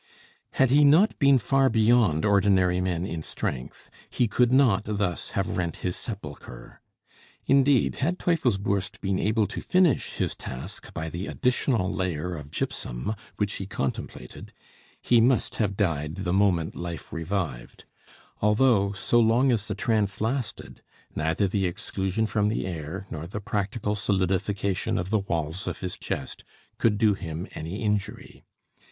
Had he not been far beyond ordinary men in strength, he could not thus have rent his sepulchre. Indeed, had Teufelsbürst been able to finish his task by the additional layer of gypsum which he contemplated, he must have died the moment life revived; although, so long as the trance lasted, neither the exclusion from the air, nor the practical solidification of the walls of his chest, could do him any injury.